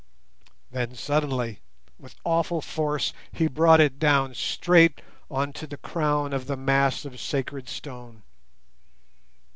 Then, suddenly, with awful force he brought it down straight on to the crown of the mass of sacred stone.